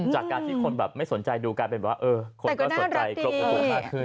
จากการที่คนแบบไม่สนใจดูการเป็นแบบว่าเออคนก็สนใจกรบปกติมากขึ้น